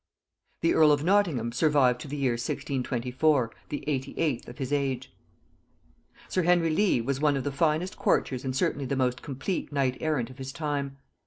The earl of Nottingham survived to the year 1624, the 88th of his age. Sir Henry Lee was one of the finest courtiers and certainly the most complete knight errant of his time.